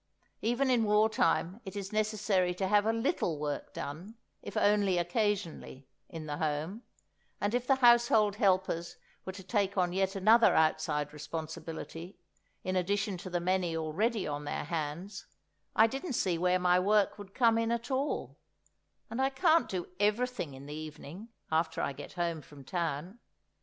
Even in war time it is necessary to have a little work done, if only occasionally, in the home; and if the household helpers were to take on yet another outside responsibility, in addition to the many already on their hands, I didn't see where my work would come in at all—and I can't do everything in the evening, after I get home from town.